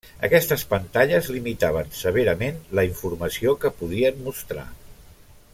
Aquestes pantalles limitaven severament la informació que podien mostrar.